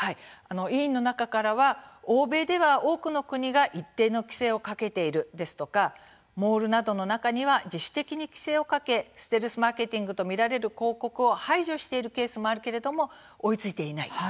委員の中からは欧米では多くの国が一定の規制をかけているですとか、モールなどの中には自主的に規制をかけステルスマーケティングとみられる広告を排除しているケースもあるけれども追いついていない。